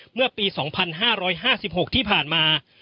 เมื่อปี๒๕๕๖ที่ผ่านมา